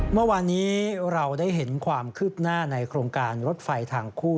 เมื่อวานนี้เราได้เห็นความคืบหน้าในโครงการรถไฟทางคู่